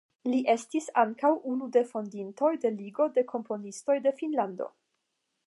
Li estis ankaŭ unu de fondintoj de Ligo de Komponistoj de Finnlando.